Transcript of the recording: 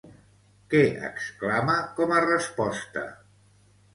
Què exclama com a resposta?